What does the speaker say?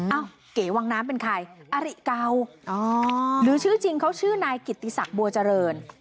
เก๋วังน้ำเป็นใครอริเก่าหรือชื่อจริงเขาชื่อนายกิติศักดิ์บัวเจริญ